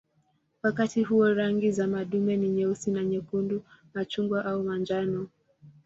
Wakati huo rangi za madume ni nyeusi na nyekundu, machungwa au njano.